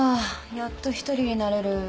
やっと１人になれる。